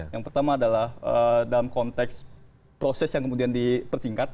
yang pertama adalah dalam konteks proses yang kemudian dipertingkat